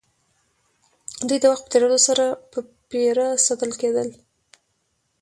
دوی د وخت په تېرېدو سره په پېره ساتل کېدل.